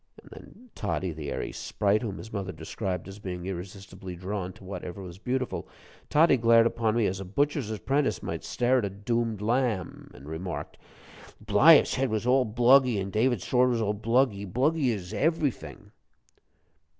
And then Toddie the airy sprite whom his mother described as being irresistibly drawn to whatever was beautiful Toddie glared upon me as a butcher's apprentice might stare at a doomed lamb, and remarked: "Bliaff's head was all bluggy, an' David's sword was all bluggy bluggy as everyfing."